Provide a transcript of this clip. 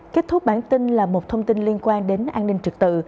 kết thúc bản tin là một thông tin liên quan đến an ninh trực tự